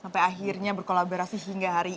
sampai akhirnya berkolaborasi hingga hari ini